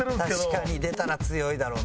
確かに出たら強いだろうな。